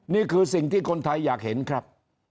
นี่คือสิ่งที่คนไทยอยากเห็นครับ